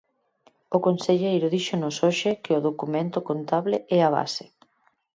O conselleiro díxonos hoxe que o documento contable é a base.